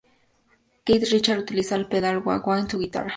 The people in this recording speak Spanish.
Keith Richards utiliza el pedal wah-wah en su guitarra.